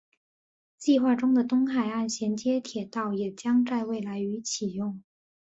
计划中的东海岸衔接铁道也将在未来于启用。